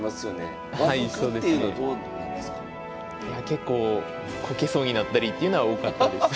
結構こけそうになったりっていうのは多かったです。